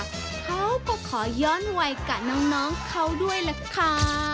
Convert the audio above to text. เขาก็ขอย้อนวัยกับน้องเขาด้วยล่ะค่ะ